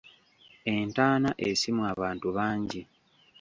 Entaana esimwa abantu bangi